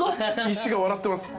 石が笑ってます。